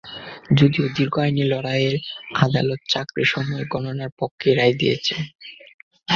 যদিও দীর্ঘ আইনি লড়াইয়ে আদালত চাকরির সময় গণনার পক্ষেই রায় দিয়েছিলেন।